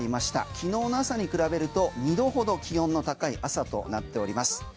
昨日の朝に比べると２度ほど気温の高い朝となっております。